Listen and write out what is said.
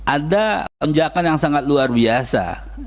ada lonjakan yang sangat luar biasa